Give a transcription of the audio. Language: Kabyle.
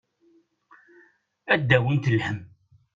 Ad d-awint lhemm.